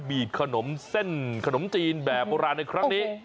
ขนมเส้นขนมจีนแบบโบราณในครั้งนี้